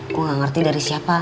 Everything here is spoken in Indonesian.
gue gak ngerti dari siapa